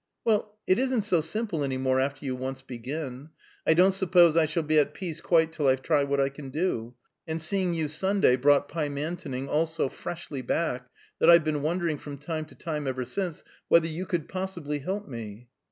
"Well, it isn't so simple any more, after you once begin. I don't suppose I shall be at peace quite till I try what I can do; and seeing you Sunday brought Pymantoning all so freshly back, that I've been wondering, from time to time, ever since, whether you could possibly help me."